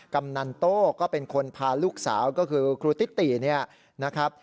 กำนันโต้ก็เป็นคนพาลูกสาวก็คือครูติเนี่ยนะครับ